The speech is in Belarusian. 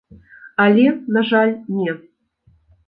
Але, на жаль, не.